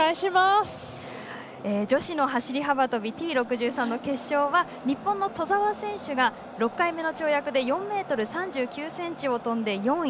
女子の走り幅跳びＴ６３の決勝は日本の兎澤選手が６回目の跳躍で４ｍ３９ｃｍを跳んで４位。